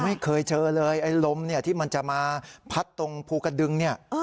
ไม่เคยเจอเลยไอ้ลมที่มันจะมาพัดตรงภูกระดึง